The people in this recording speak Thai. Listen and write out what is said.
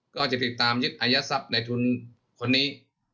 ก็จะติดตามยึดอายัดทรัพย์ในทุนคนนี้